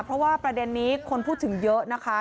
เพราะว่าประเด็นนี้คนพูดถึงเยอะนะคะ